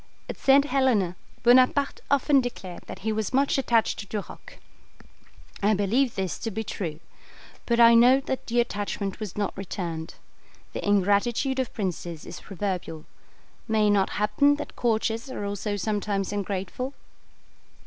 At St. Helena Bonaparte often declared that he was much attached to Duroc. I believe this to be true; but I know that the attachment was not returned. The ingratitude of princes is proverbial. May it not happen that courtiers are also sometimes ungrateful?